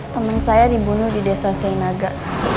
teman saya dibunuh di desa seinaga